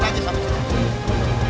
bapak itu bapak itu